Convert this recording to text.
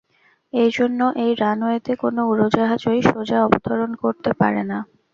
এ জন্য এই রানওয়েতে কোনো উড়োজাহাজই সোজা অবতরণ করতে পারে না।